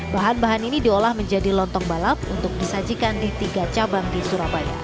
bahan bahan ini diolah menjadi lontong balap untuk disajikan di tiga cabang di surabaya